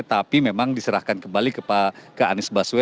tapi memang diserahkan kembali ke pak anis baswe